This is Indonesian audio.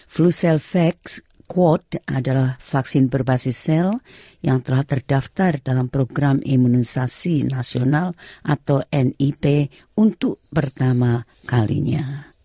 fluvax adalah vaksin berbasis sel yang telah terdaftar dalam program imunisasi nasional untuk pertama kalinya